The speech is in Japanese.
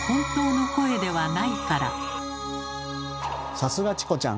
さすがチコちゃん！